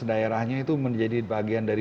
daerahnya itu menjadi bagian dari